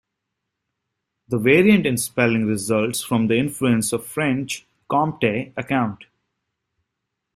The variant in spelling results from the influence of French "compte" "account".